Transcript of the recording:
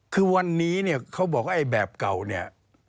คือวันนี้เนี่ยเขาบอกว่าไอ้แบบเก่าเนี่ย